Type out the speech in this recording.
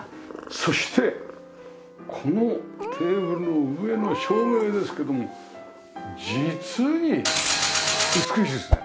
そしてこのテーブルの上の照明ですけども実に美しいですね。